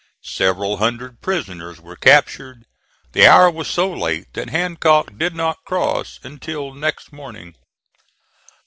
Several hundred prisoners were captured. The hour was so late that Hancock did not cross until next morning.